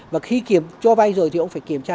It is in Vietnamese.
và khi cho vay rồi thì ông phải kiểm tra